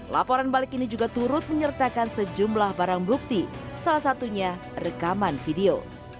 laporan balik ini juga turut menyertakan sejumlah barang bukti salah satunya rekaman video